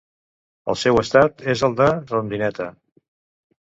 El seu estat és el de rondineta.